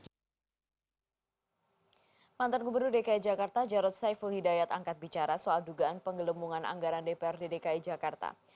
jangan lupa jarod saiful hidayat angkat bicara soal dugaan penggelombongan anggaran dpr di dki jakarta